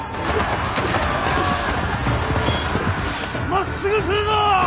まっすぐ来るぞ！